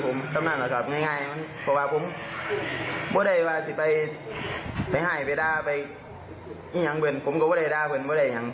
ก็ไม่เหรอก็ว่าเป็นคนพูดจาเสียงดัง